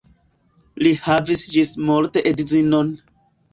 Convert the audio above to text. Li havis ĝismorte edzinon.